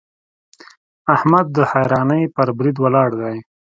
احمد د حيرانۍ پر بريد ولاړ دی.